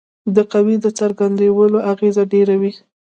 د قوې د څرخیدلو اغیزه ډیره وي.